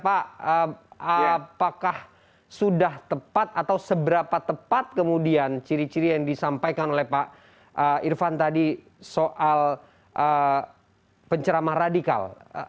apakah sudah tepat atau seberapa tepat kemudian ciri ciri yang disampaikan oleh pak irfan tadi soal penceramah radikal